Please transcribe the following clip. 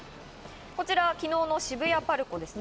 昨日の渋谷ＰＡＲＣＯですね。